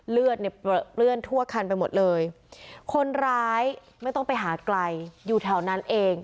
เลือดเนี่ยเปลือนทั่วคันไปหมดเลยคนร้ายไม่ต้องไปหาไกลอยู่แถวนั้นเอง